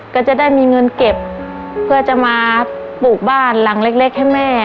ก็จะได้มีเงินเก็บเพื่อจะมาปลูกบ้านหลังเล็กให้แม่